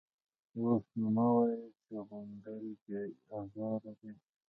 _اوس نو مه وايه چې غونډل بې ازاره دی.